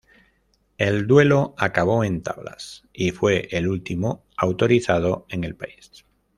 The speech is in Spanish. El duelo acabó en tablas, y fue el último autorizado en el país.